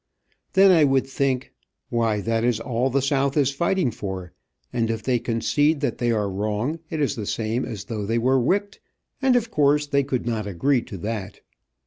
Then I would think, Why, that is all the South is fighting for, and if they concede that they are wrong it is the same as though they were whipped, and of course they could not agree to that.